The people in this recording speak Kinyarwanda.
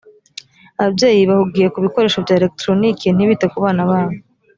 ababyeyi bahugiye ku bikoresho bya eregitoronike ntibite ku bana babo